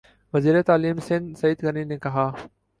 وزیر تعلیم سندھ سعید غنی نےکہا